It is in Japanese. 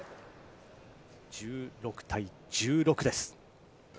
１６対１６です。